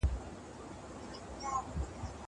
زه کولای سم چپنه پاک کړم!!